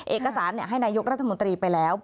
เอกสารให้นายกรัฐมนตรีไปแล้ว